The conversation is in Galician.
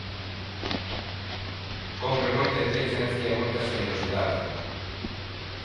Cómpre moita intelixencia e moita xenerosidade.